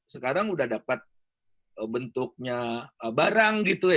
sekarang udah dapat bentuknya barang gitu ya